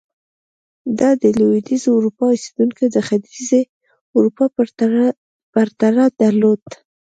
دا د لوېدیځې اروپا اوسېدونکو د ختیځې اروپا په پرتله درلود.